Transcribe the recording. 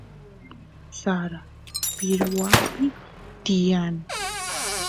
sara pirwapi tiyan